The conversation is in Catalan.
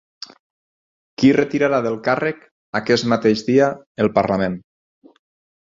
Qui retirarà del càrrec aquest mateix dia el parlament?